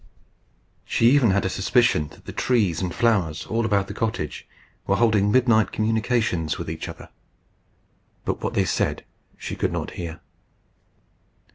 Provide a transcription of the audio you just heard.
She had even a suspicion that the trees and flowers all about the cottage were holding midnight communications with each other; but what they said she could not hear.